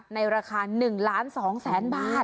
ในราคา๑ล้าน๒แสนบาท